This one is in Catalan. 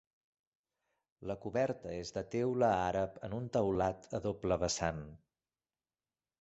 La coberta és de teula àrab en un teulat a doble vessant.